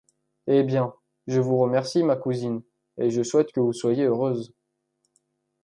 Eh ! bien, je vous remercie, ma cousine, et je souhaite que vous soyez heureuse.